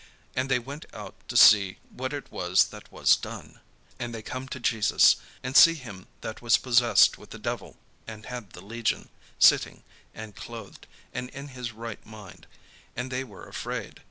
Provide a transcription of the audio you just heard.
And they went out to see what it was that was done. And they come to Jesus, and see him that was possessed with the devil, and had the legion, sitting, and clothed, and in his right mind: and they were afraid.